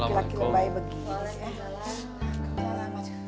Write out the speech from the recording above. laki laki lembayi begitu ya